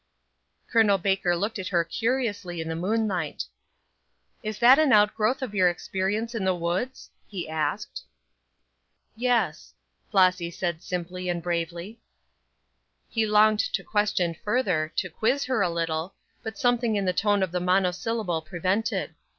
Col. Baker looked at her curiously in the moonlight. "Is that an outgrowth of your experience in the woods?" he asked. "Yes," Flossy said simply and bravely. He longed to question further, to quiz her a little, but something in the tone of the monosyllable prevented.